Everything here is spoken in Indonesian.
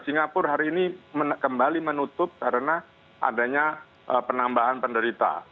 singapura hari ini kembali menutup karena adanya penambahan penderita